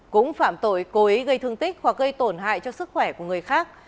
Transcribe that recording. cũng phạm tội cố ý gây thương tích hoặc gây tổn hại cho sức khỏe của người khác